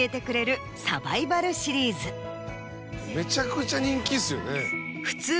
めちゃくちゃ人気っすよね。